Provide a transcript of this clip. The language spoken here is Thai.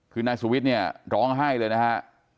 คือนายสุวิทย์เนี่ยร้องไห้เลยนะฮะ